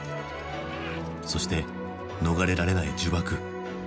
そして逃れられない呪縛。